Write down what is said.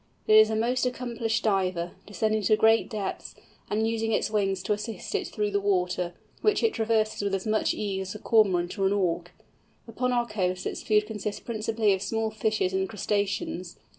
It is a most accomplished diver, descending to great depths, and using its wings to assist it through the water, which it traverses with as much ease as a Cormorant or an Auk. Upon our coasts its food consists principally of small fishes and crustaceans.